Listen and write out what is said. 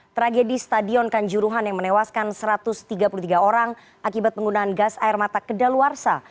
tragedi stadion kanjuruhan yang menewaskan satu ratus tiga puluh tiga orang akibat penggunaan gas air mata kedaluarsa